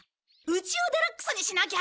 家をデラックスにしなきゃ！